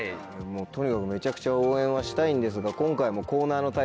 とにかくめちゃくちゃ応援はしたいんですが。